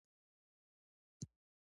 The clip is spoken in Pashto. په دې مرکزونو کې د کتابونو تألیف پیل شو.